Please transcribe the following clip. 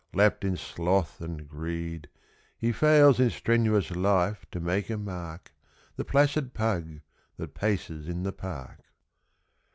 Lapped in sloth and greed, He fails in strenuous life to make a mark, The placid Pug that paces in the park.